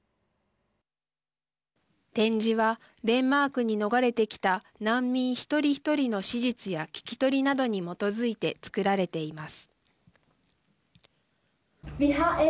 展示はデンマークに逃れてきた難民一人一人の史実や聞き取りなどに基づいて作られています。